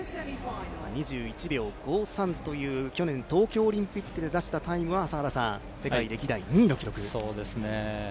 ２１秒５３という、去年、東京オリンピックで出した記録は世界歴代２位の記録です。